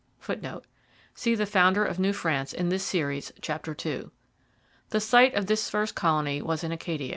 [Footnote: See The founder of New France in this Series, chap. ii.] The site of this first colony was in Acadia.